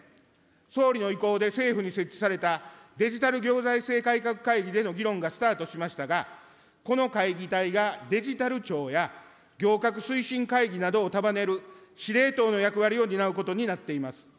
総理の意向で政府に設置されたデジタル行財政改革での議論がスタートしましたが、この会議体が、デジタル庁や行革推進会議などを束ねる司令塔の役割を担うことになっています。